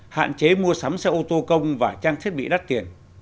hạn chế mua sắm xe ô tô công và trang thiết bị đắt tiền